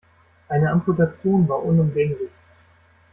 Eine Amputation war unumgänglich.